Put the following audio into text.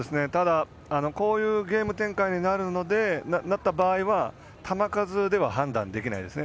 こういうゲーム展開になった場合は球数では判断できないですね。